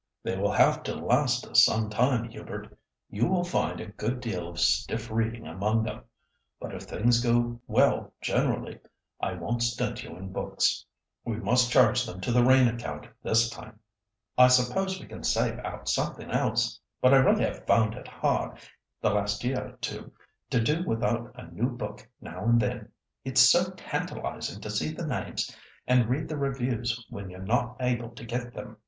"They will have to last us some time, Hubert; you will find a good deal of stiff reading among them. But if things go well generally, I won't stint you in books. We must charge them to the rain account this time." "I suppose we can save out of something else, but I really have found it hard, the last year or two, to do without a new book now and then. It's so tantalising to see the names and read the reviews when you're not able to get them.